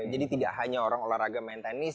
jadi tidak hanya orang olahraga main tenis